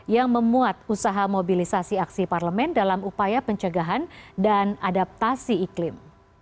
yang memuat usaha mobilisasi aksi parlemen dalam upaya pencegahan dan adaptasi iklim